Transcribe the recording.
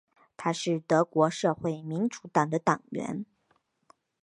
他是德国社会民主党的党员。